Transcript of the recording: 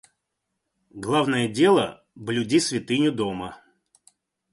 Главное дело — блюди святыню дома.